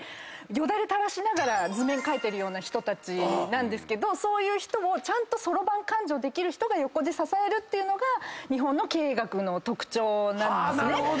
よだれ垂らしながら図面描いてるような人たちなんですけどそういう人をちゃんとそろばん勘定できる人が横で支えるっていうのが日本の経営学の特徴なんですね。